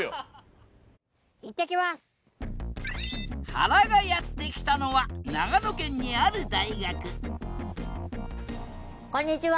はらがやって来たのは長野県にある大学こんにちは！